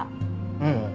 ええ。